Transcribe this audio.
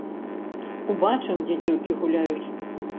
Убачым, дзе дзеўкі гуляюць.